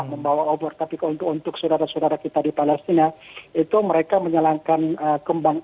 membawa obor tapi untuk saudara saudara kita di palestina itu mereka menyalankan kembang